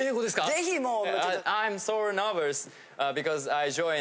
ぜひもう。